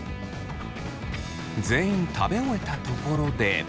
全員食べ終えたところで。